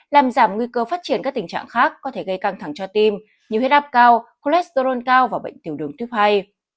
làm giảm nguy cơ phát triển các tình trạng khác có thể gây căng thẳng cho tim như huyết áp cao cholesterol cao và bệnh tiểu đường tuyếp hay